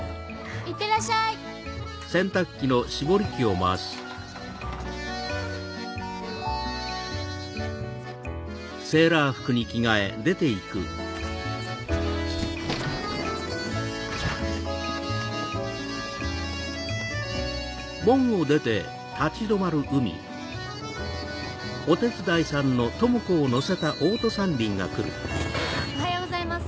・いってらっしゃい！おはようございます。